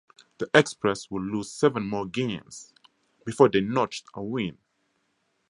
The Express would lose seven more games before they notched a win.